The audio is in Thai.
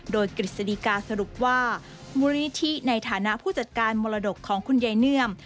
โดยกฤษฎีกาสรุปว่ามูลนิธิในฐานะผู้จัดการมรดกของคุณยายเนื่อม